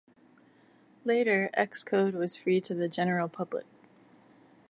Later, Xcode was free to the general public.